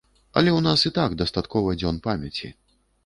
Але ў нас і так дастаткова дзён памяці.